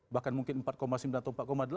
bahkan mungkin empat sembilan atau empat delapan